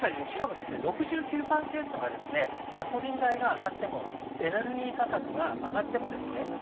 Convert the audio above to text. しかもですね６９パーセントがですねガソリン代が上がってもエネルギー価格が上がってもですね